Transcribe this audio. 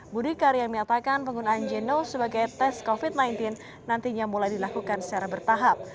budi karya menyatakan penggunaan genos sebagai tes covid sembilan belas nantinya mulai dilakukan secara bertahap